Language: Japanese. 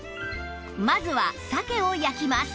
まずは鮭を焼きます